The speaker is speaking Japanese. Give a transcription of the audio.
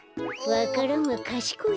わか蘭はかしこい